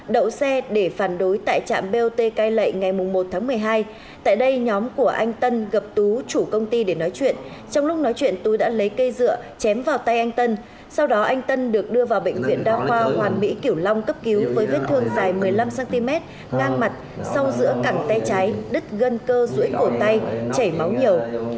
đậu xe để phản đối tại trạm bot cai lệ ngày một tháng một mươi hai tại đây nhóm của anh tân gặp tú chủ công ty để nói chuyện trong lúc nói chuyện tú đã lấy cây dựa chém vào tay anh tân sau đó anh tân được đưa vào bệnh viện đa khoa hoàn mỹ kiểu long cấp cứu với vết thương dài một mươi năm cm ngang mặt sau giữa cẳng te cháy đứt gân cơ rũi cổ tay chảy máu nhiều